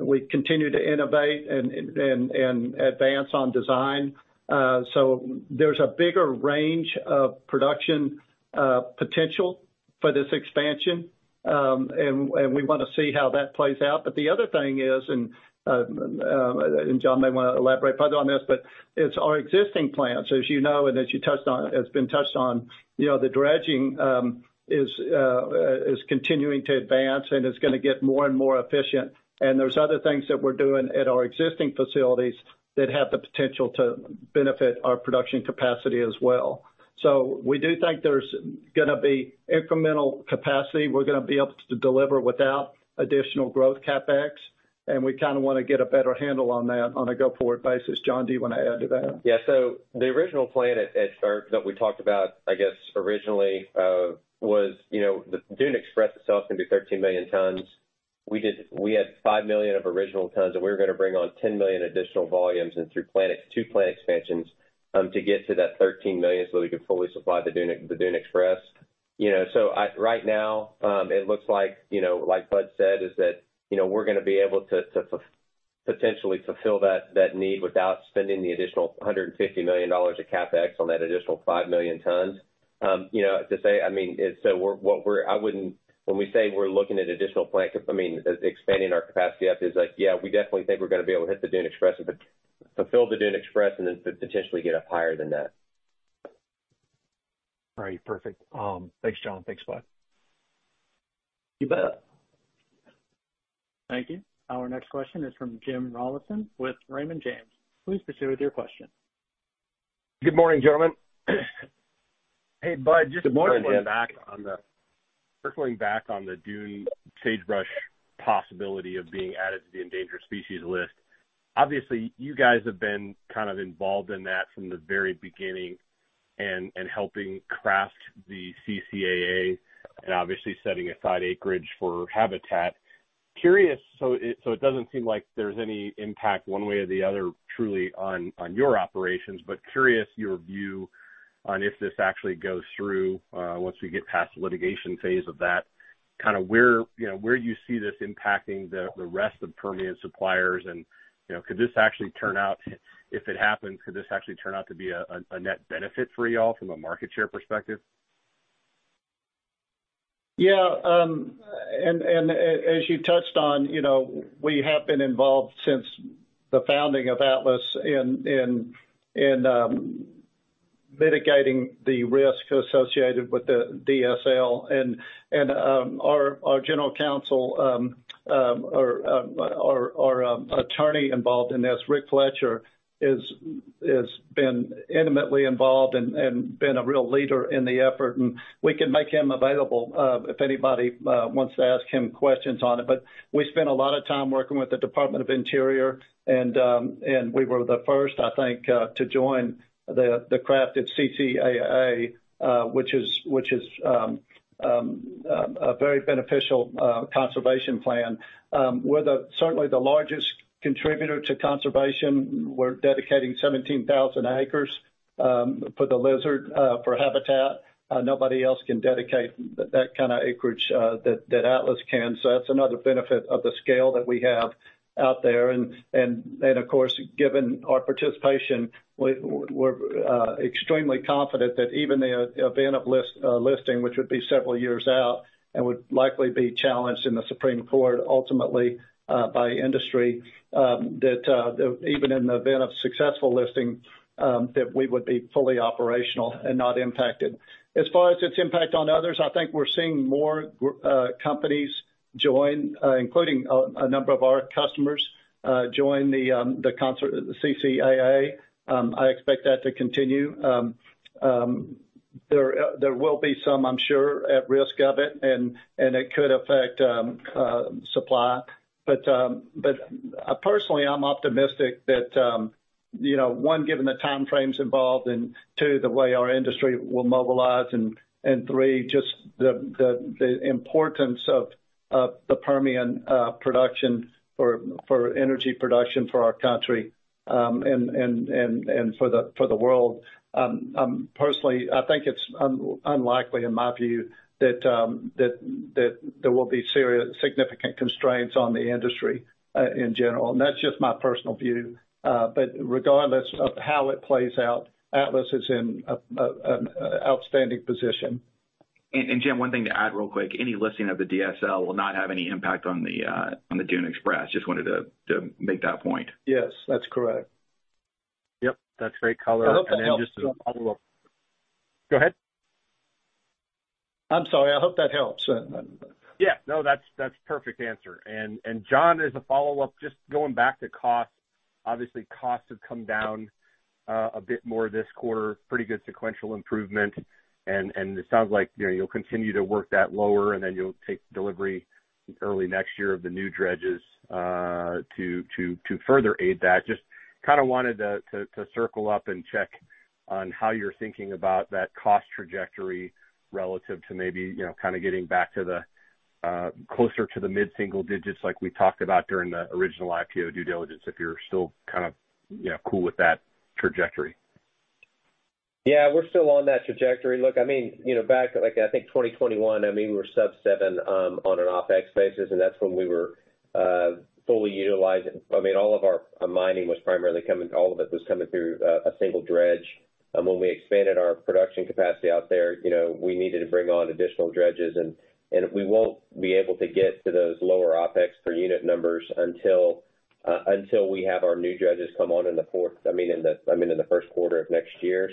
we've continued to innovate and, and, and, and advance on design. There's a bigger range of production potential for this expansion, and, and we wanna see how that plays out. The other thing is, and, and John may wanna elaborate further on this, but it's our existing plants. As you know, and as you touched on, you know, the dredging is continuing to advance, and it's gonna get more and more efficient. There's other things that we're doing at our existing facilities that have the potential to benefit our production capacity as well. We do think there's going to be incremental capacity we're going to be able to deliver without additional growth CapEx, and we kind of want to get a better handle on that on a go-forward basis. John, do you want to add to that? Yeah. The original plan at start that we talked about, I guess originally, was, you know, the Dune Express itself is gonna be 13 million tons. We had 5 million of original tons, and we were gonna bring on 10 million additional volumes and through 2 plant expansions to get to that 13 million, so we could fully supply the Dune, the Dune Express. You know, right now, it looks like, you know, like Bud said, is that, you know, we're gonna be able to potentially fulfill that, that need without spending the additional $150 million of CapEx on that additional 5 million tons. You know, to say, I mean, it's. What we're I wouldn't when we say we're looking at additional plant, I mean, expanding our capacity up is like, yeah, we definitely think we're gonna be able to hit the Dune Express and fulfill the Dune Express and then potentially get up higher than that. All right. Perfect. Thanks, John. Thanks, Bud. You bet. Thank you. Our next question is from Jim Rollyson with Raymond James. Please proceed with your question. Good morning, gentlemen. Hey, Bud. Good morning, Jim. Circling back on the dune sagebrush possibility of being added to the endangered species list. Obviously, you guys have been kind of involved in that from the very beginning and, and helping craft the CCAA, and obviously setting aside acreage for habitat. Curious, it doesn't seem like there's any impact one way or the other, truly on, on your operations, but curious your view on if this actually goes through, once we get past the litigation phase of that, kind of where, you know, where do you see this impacting the, the rest of the Permian suppliers and, you know, if it happens, could this actually turn out to be a, a net benefit for y'all from a market share perspective? Yeah, as you touched on, you know, we have been involved since the founding of Atlas in mitigating the risk associated with the DSL. Our general counsel, our attorney involved in this, Rick Fletcher, has been intimately involved and been a real leader in the effort, and we can make him available if anybody wants to ask him questions on it. We spent a lot of time working with the Department of Interior, and we were the first, I think, to join the crafted CCAA, which is a very beneficial conservation plan. We're certainly the largest contributor to conservation. We're dedicating 17,000 acres.... for the lizard, for habitat, nobody else can dedicate that, that kind of acreage, that, that Atlas can. That's another benefit of the scale that we have out there. of course, given our participation, we're extremely confident that even the event of listing, which would be several years out and would likely be challenged in the Supreme Court, ultimately, by industry, that even in the event of successful listing, that we would be fully operational and not impacted. As far as its impact on others, I think we're seeing more companies join, including a number of our customers, join the concert, the CCAA. I expect that to continue. There will be some, I'm sure, at risk of it, and, and it could affect supply. Personally, I'm optimistic that, you know, one, given the timeframes involved, and two, the way our industry will mobilize, and, and three, just the, the, the importance of, of the Permian production for, for energy production for our country, and, and, and, and for the, for the world. Personally, I think it's un- unlikely, in my view, that, that, that there will be serious-- significant constraints on the industry in general, and that's just my personal view. Regardless of how it plays out, Atlas is in a, a, an outstanding position. Jim, one thing to add real quick, any listing of the DSL will not have any impact on the Dune Express. Just wanted to make that point. Yes, that's correct. Yep, that's great color. I hope that helps. Go ahead. I'm sorry. I hope that helps. Yeah, no, that's, that's a perfect answer. John, as a follow-up, just going back to cost. Obviously, costs have come down a bit more this quarter. Pretty good sequential improvement, and it sounds like, you know, you'll continue to work that lower, and then you'll take delivery early next year of the new dredges to further aid that. Just kind of wanted to circle up and check on how you're thinking about that cost trajectory relative to maybe, you know, kind of getting back to the closer to the mid-single digits like we talked about during the original IPO due diligence, if you're still kind of, you know, cool with that trajectory? Yeah, we're still on that trajectory. Look, I mean, you know, back at, like, I think 2021, I mean, we were sub 7 on an OpEx basis, and that's when we were fully utilizing. I mean, all of our mining was primarily coming, all of it was coming through a single dredge. When we expanded our production capacity out there, you know, we needed to bring on additional dredges and we won't be able to get to those lower OpEx per unit numbers until until we have our new dredges come on in the first quarter of next year.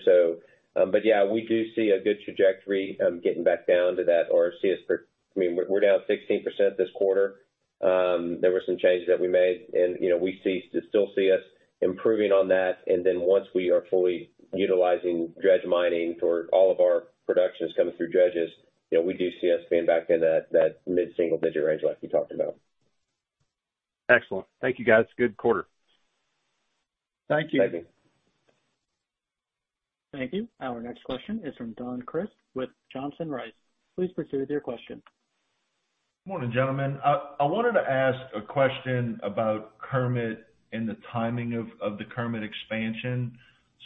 But yeah, we do see a good trajectory getting back down to that or see us for. I mean, we're down 16% this quarter. There were some changes that we made, and, you know, we see, still see us improving on that. Then once we are fully utilizing dredge mining for all of our productions coming through dredges, you know, we do see us being back in that, that mid-single-digit range like we talked about. Excellent. Thank you, guys. Good quarter. Thank you. Thank you. Thank you. Our next question is from Don Crist with Johnson Rice. Please proceed with your question. Morning, gentlemen. I wanted to ask a question about Kermit and the timing of, of the Kermit expansion.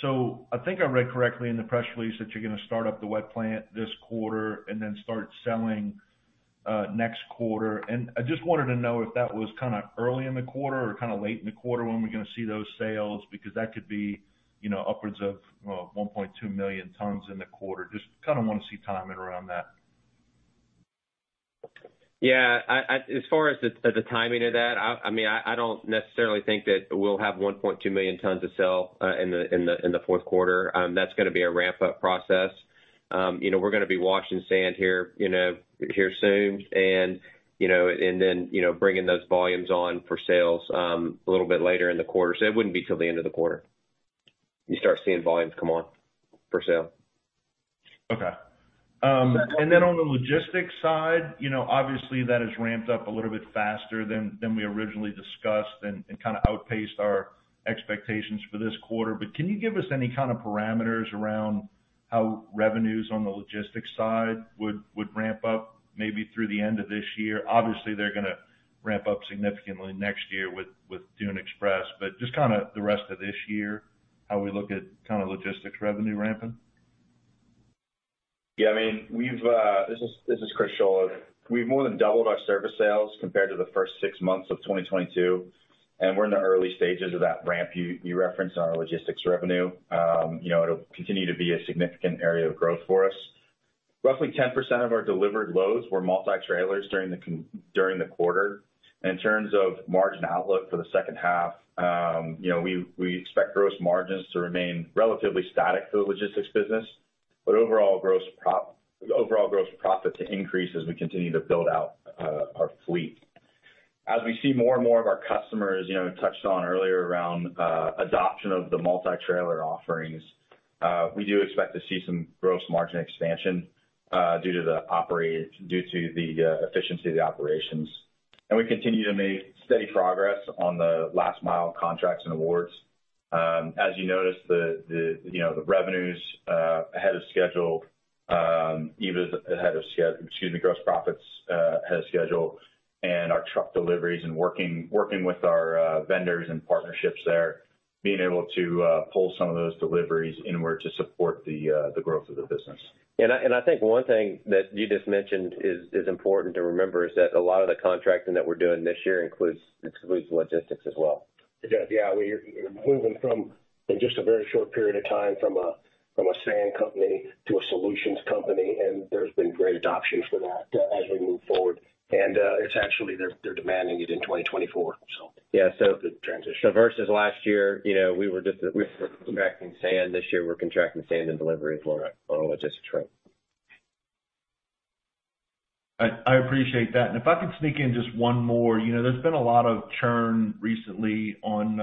I think I read correctly in the press release that you're gonna start up the wet plant this quarter and then start selling next quarter. I just wanted to know if that was kind of early in the quarter or kind of late in the quarter, when we're gonna see those sales, because that could be, you know, upwards of, well, 1.2 million tons in the quarter. Just kind of want to see timing around that. Yeah, I, as far as the timing of that, I mean, I don't necessarily think that we'll have 1.2 million tons to sell in the fourth quarter. That's gonna be a ramp-up process. You know, we're gonna be washing sand here, you know, here soon, and, you know, and then, you know, bringing those volumes on for sales a little bit later in the quarter. It wouldn't be till the end of the quarter, you start seeing volumes come on for sale. Okay. On the logistics side, you know, obviously, that has ramped up a little bit faster than we originally discussed and kind of outpaced our expectations for this quarter. Can you give us any kind of parameters around how revenues on the logistics side would ramp up maybe through the end of this year? Obviously, they're gonna ramp up significantly next year with Dune Express, but just kind of the rest of this year, how we look at kind of logistics revenue ramping? Yeah, I mean, we've. This is, this is Chris Scholla. We've more than doubled our service sales compared to the first 6 months of 2022, and we're in the early stages of that ramp you, you referenced on our logistics revenue. You know, it'll continue to be a significant area of growth for us. Roughly 10% of our delivered loads were multi-trailers during the during the quarter. In terms of margin outlook for the second half, you know, we, we expect gross margins to remain relatively static for the Logistics business, but overall gross overall gross profit to increase as we continue to build out our fleet. As we see more and more of our customers, you know, touched on earlier around adoption of the multi-trailer offerings, we do expect to see some gross margin expansion due to the efficiency of the operations. We continue to make steady progress on the last mile contracts and awards. As you noticed, the, the, you know, the revenues. ahead of schedule, even ahead of excuse me, gross profits, ahead of schedule and our truck deliveries and working, working with our vendors and partnerships there, being able to pull some of those deliveries inward to support the growth of the business. I, and I think one thing that you just mentioned is, is important to remember, is that a lot of the contracting that we're doing this year includes, includes logistics as well. Yeah, we're moving from, in just a very short period of time, from a, from a sand company to a solutions company, and there's been great adoption for that as we move forward. It's actually, they're, they're demanding it in 2024, so. Yeah. The transition. Versus last year, you know, we were just, we were contracting sand. This year, we're contracting sand and delivery for our logistics, right? I, I appreciate that. If I could sneak in just one more. You know, there's been a lot of churn recently on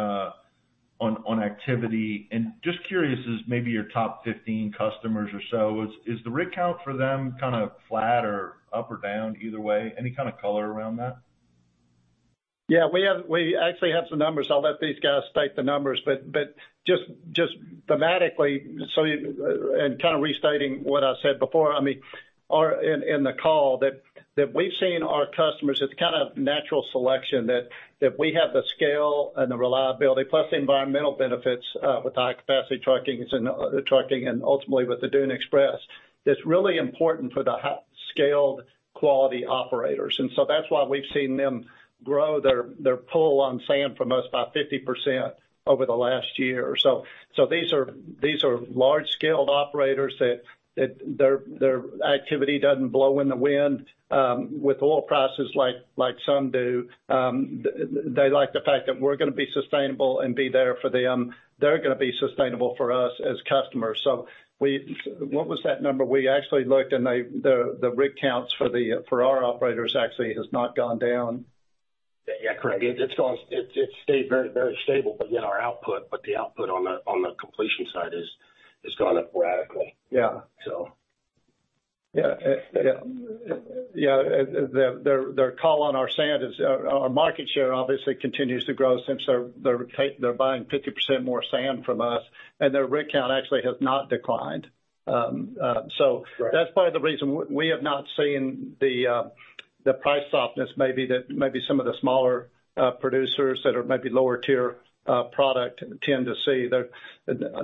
activity. Just curious, as maybe your top 15 customers or so, is, is the rig count for them kind of flat or up or down either way? Any kind of color around that? Yeah, we actually have some numbers. I'll let these guys state the numbers, but just thematically, kind of restating what I said before, I mean, or in, in the call, that we've seen our customers, it's kind of natural selection, that we have the scale and the reliability, plus the environmental benefits, with high capacity truckings and trucking, and ultimately, with the Dune Express, it's really important for the high-scaled quality operators. That's why we've seen them grow their pull on sand from us by 50% over the last year or so. These are large-scale operators, that their activity doesn't blow in the wind, with oil prices like some do. They like the fact that we're gonna be sustainable and be there for them. They're gonna be sustainable for us as customers. What was that number? We actually looked and they, the rig counts for our operators actually has not gone down. Yeah, correct. It's gone, it stayed very, very stable within our output, but the output on the, on the completion side has, has gone up radically. Yeah. So. Yeah. Their call on our sand is, our market share obviously continues to grow since they're buying 50% more sand from us, and their rig count actually has not declined. Right. That's part of the reason we, we have not seen the price softness maybe that, maybe some of the smaller producers that are maybe lower tier product tend to see.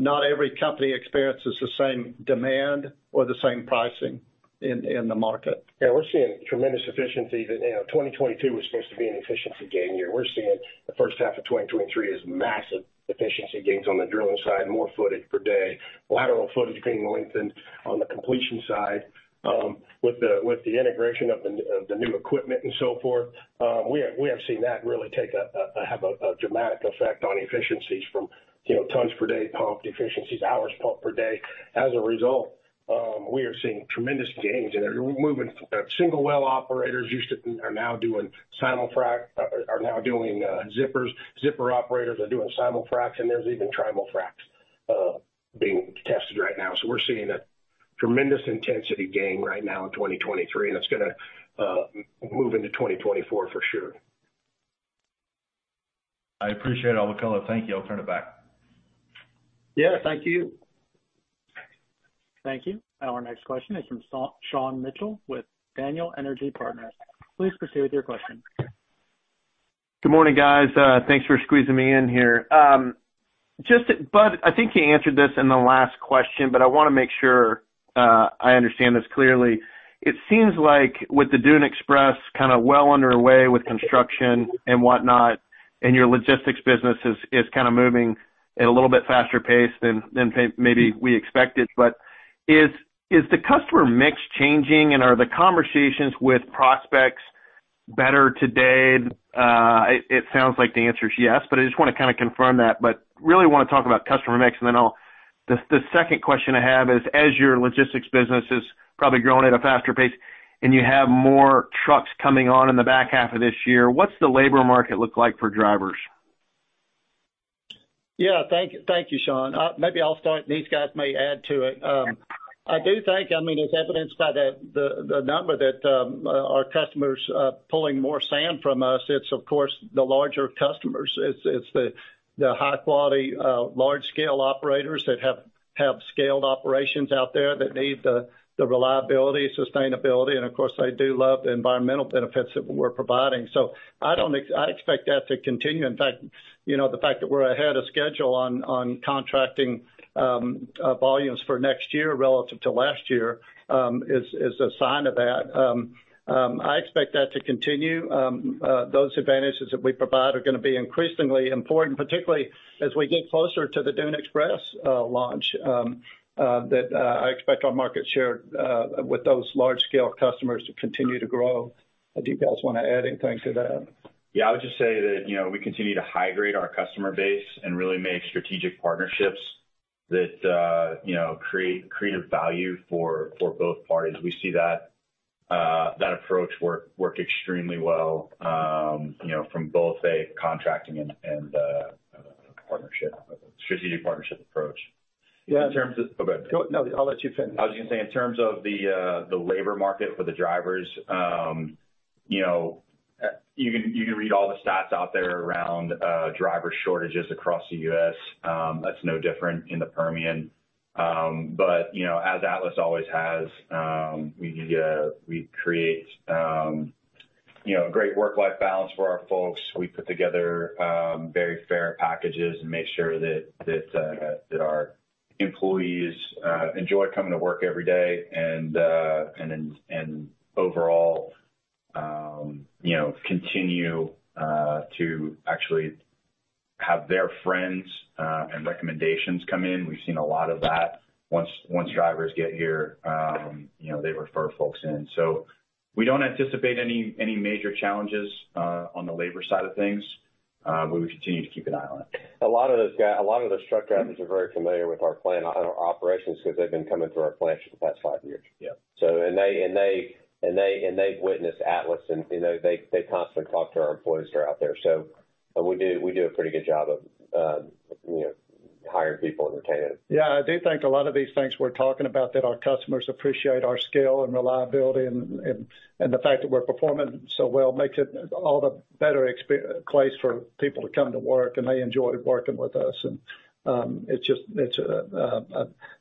Not every company experiences the same demand or the same pricing in the market. Yeah, we're seeing tremendous efficiency that, you know, 2022 was supposed to be an efficiency gain year. We're seeing the first half of 2023 is massive efficiency gains on the drilling side, more footage per day, lateral footage being lengthened on the completion side, with the integration of the new equipment and so forth. We have, we have seen that really take a dramatic effect on efficiencies from, you know, tons per day pumped, efficiencies, hours pumped per day. As a result, we are seeing tremendous gains, and we're moving, single well operators used to are now doing simul-frac, are now doing, zippers. Zipper operators are doing simul-fracs, and there's even trimulfracs being tested right now. We're seeing a tremendous intensity gain right now in 2023, and it's gonna move into 2024 for sure. I appreciate all the color. Thank you. I'll turn it back. Yeah, thank you. Thank you. Our next question is from Sean Mitchell with Daniel Energy Partners. Please proceed with your question. Good morning, guys. Thanks for squeezing me in here. Just, Bud, I think you answered this in the last question, but I wanna make sure I understand this clearly. It seems like with the Dune Express kind of well underway with construction and whatnot, and your Logistics business is, is kind of moving at a little bit faster pace than, than maybe we expected. Is, is the customer mix changing, and are the conversations with prospects better today? It, it sounds like the answer is yes, but I just want to kind of confirm that. Really want to talk about customer mix, and then the second question I have is, as your Logistics business is probably growing at a faster pace and you have more trucks coming on in the back half of this year, what's the labor market look like for drivers? Yeah. Thank you. Thank you, Sean. Maybe I'll start, these guys may add to it. I do think, I mean, as evidenced by the, the, the number that our customers pulling more sand from us, it's of course, the larger customers. It's, it's the, the high quality, large scale operators that have, have scaled operations out there that need the, the reliability, sustainability, and of course, they do love the environmental benefits that we're providing. I don't I expect that to continue. In fact, you know, the fact that we're ahead of schedule on, on contracting volumes for next year relative to last year is, is a sign of that. I expect that to continue. Those advantages that we provide are gonna be increasingly important, particularly as we get closer to the Dune Express launch, that I expect our market share with those large scale customers to continue to grow. Do you guys want to add anything to that? Yeah, I would just say that, you know, we continue to high grade our customer base and really make strategic partnerships that, you know, create, create a value for, for both parties. We see that, that approach work, work extremely well, you know, from both a contracting and, and, partnership, strategic partnership approach. Yeah. Oh, go ahead. No, I'll let you finish. I was gonna say, in terms of the labor market for the drivers, you know, you can read all the stats out there around driver shortages across the U.S. That's no different in the Permian. But, you know, as Atlas always has, we create, you know, a great work-life balance for our folks. We put together very fair packages and make sure that our employees enjoy coming to work every day, and overall, you know, continue to actually have their friends and recommendations come in. We've seen a lot of that. Once drivers get here, you know, they refer folks in. We don't anticipate any, any major challenges, on the labor side of things, but we continue to keep an eye on it. A lot of those truck drivers are very familiar with our plant and our operations because they've been coming through our plants for the past five years. Yeah. They, and they, and they, and they've witnessed Atlas, and, you know, they, they constantly talk to our employees that are out there. We do, we do a pretty good job of, you know, hiring people and retaining them. Yeah, I do think a lot of these things we're talking about, that our customers appreciate our scale and reliability and, and, and the fact that we're performing so well makes it all the better place for people to come to work, and they enjoy working with us. It's just. It's,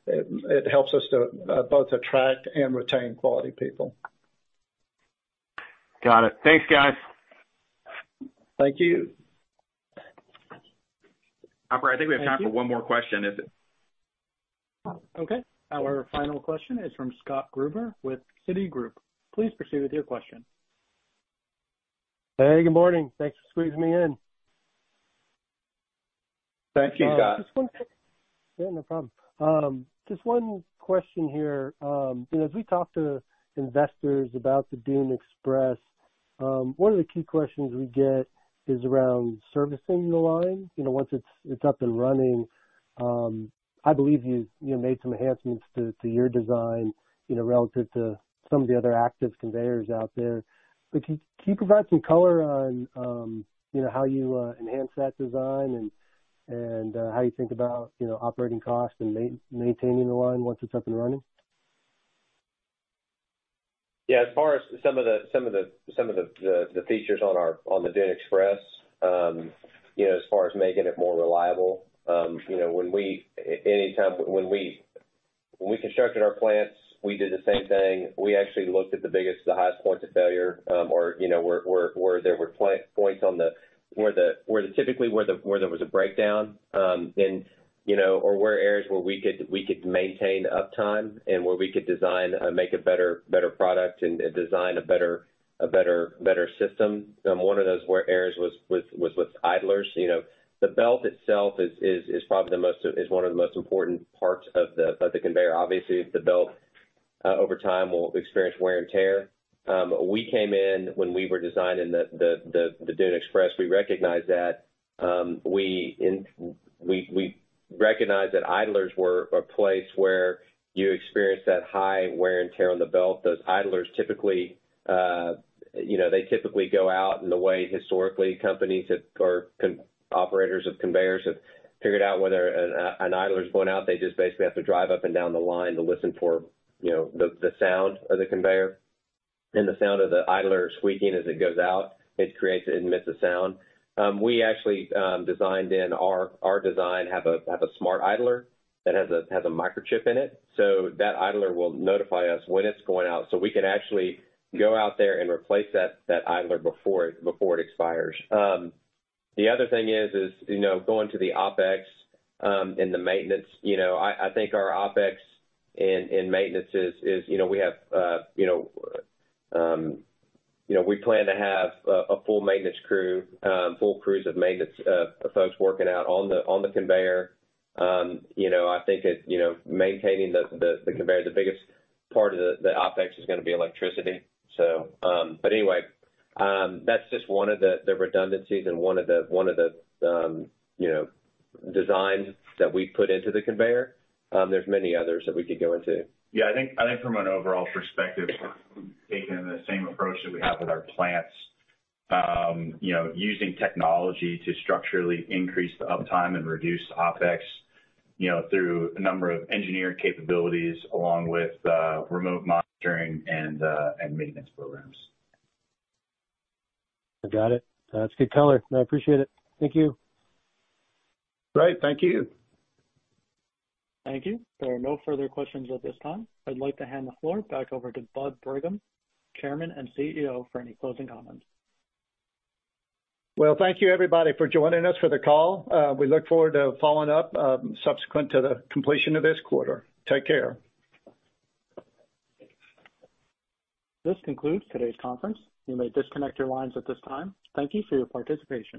it, it helps us to both attract and retain quality people. Got it. Thanks, guys. Thank you. Operator, I think we have time for one more question. Okay, our final question is from Scott Gruber with Citigroup. Please proceed with your question. Hey, good morning. Thanks for squeezing me in. Thank you, Scott. Yeah, no problem. Just one question here. You know, as we talk to investors about the Dune Express, one of the key questions we get is around servicing the line. You know, once it's, it's up and running, I believe you, you made some enhancements to, to your design, you know, relative to some of the other active conveyors out there. Can, can you provide some color on, you know, how you enhance that design and, and, how you think about, you know, operating costs and maintaining the line once it's up and running? Yeah, as far as some of the, some of the, some of the, the, the features on the Dune Express, you know, as far as making it more reliable, you know, when we constructed our plants, we did the same thing. We actually looked at the biggest, the highest points of failure, or, you know, where, where, where there were points on the, where the, where typically, where the, where there was a breakdown, and, you know, or where areas where we could, we could maintain uptime and where we could design, make a better, better product and, and design a better, a better, better system. One of those wear areas was with, was with idlers. You know, the belt itself is probably the most, is one of the most important parts of the conveyor. Obviously, the belt, over time will experience wear and tear. We came in when we were designing the Dune Express, we recognized that we recognized that idlers were a place where you experience that high wear and tear on the belt. Those idlers typically, you know, they typically go out in the way, historically, companies have or operators of conveyors have figured out whether an idler is going out. They just basically have to drive up and down the line to listen for, you know, the sound of the conveyor and the sound of the idler squeaking as it goes out. It creates and emits a sound. We actually designed in our design, have a Smart-Idler that has a microchip in it. So that idler will notify us when it's going out, so we can actually go out there and replace that idler before it, before it expires. The other thing is, you know, going to the OpEx, and the maintenance, you know, I think our OpEx in maintenance is, you know, we have, you know, we plan to have a full maintenance crew, full crews of maintenance folks working out on the conveyor. You know, I think it, you know, maintaining the conveyor, the biggest part of the OpEx is gonna be electricity. But anyway, that's just one of the, the redundancies and one of the, one of the, you know, designs that we put into the conveyor. There's many others that we could go into. Yeah, I think, I think from an overall perspective, we've taken the same approach that we have with our plants. You know, using technology to structurally increase the uptime and reduce OpEx, you know, through a number of engineered capabilities, along with, remote monitoring and, and maintenance programs. I got it. That's good color. I appreciate it. Thank you. Great. Thank you. Thank you. There are no further questions at this time. I'd like to hand the floor back over to Bud Brigham, Chairman and CEO, for any closing comments. Well, thank you, everybody, for joining us for the call. We look forward to following up subsequent to the completion of this quarter. Take care. This concludes today's conference. You may disconnect your lines at this time. Thank you for your participation.